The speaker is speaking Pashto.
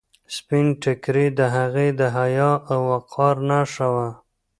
سپین ټیکری د هغې د حیا او وقار نښه وه.